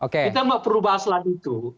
kita nggak perlu bahas lagi itu